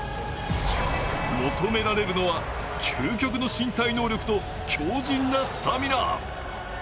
求められるのは究極の身体能力と強じんなスタミナ。